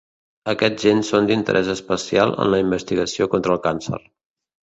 Aquests gens són d'interès especial en la investigació contra el càncer.